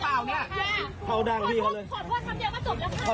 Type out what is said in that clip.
ที่ไม่ต้องทำ